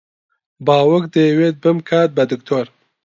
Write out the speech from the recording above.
باوک دەیەوێت بمکات بە دکتۆر.